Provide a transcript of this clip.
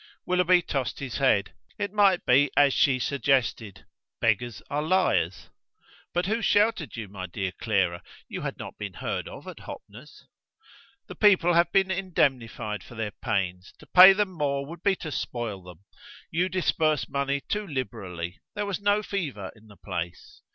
Willoughby tossed his head: it might be as she suggested; beggars are liars. "But who sheltered you, my dear Clara? You had not been heard of at Hoppner's." "The people have been indemnified for their pains. To pay them more would be to spoil them. You disperse money too liberally. There was no fever in the place.